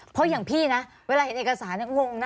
เพราะอย่างพี่นะเวลาเห็นเอกสารงงนะ